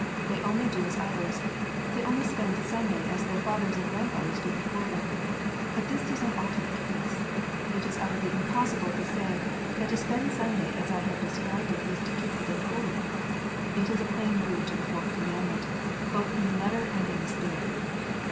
They only do as others ; they only spend Sunday as their fathers and grand fathers did before them : but this does not alter the case. It is utterly impossible to say, that to spend Sunday as I have described is to " keep the day holy :" it is a plain breach of the Fourth Commandment, both in the letter and in the spirit.